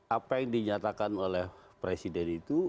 apa yang dinyatakan oleh presiden itu